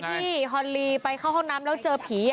ฮอนลีไปเข้าห้องน้ำแล้วเจอผี